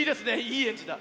いいエンジンだ。